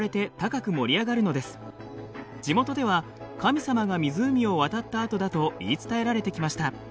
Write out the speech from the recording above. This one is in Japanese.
地元では神様が湖を渡った跡だと言い伝えられてきました。